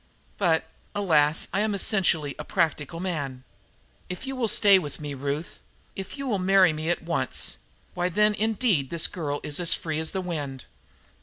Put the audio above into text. But, alas, I am essentially a practical man. If you will stay with me, Ruth, if you marry me at once, why, then indeed this girl is as free as the wind.